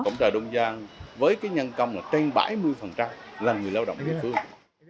cộng trò đông giang với nhân công trên bảy mươi là người lao động địa phương